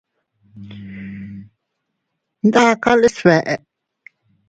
Ndakale sbeʼe.